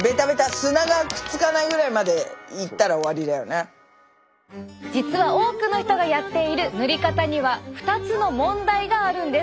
２人はベタベタ実は多くの人がやっている塗り方には２つの問題があるんです。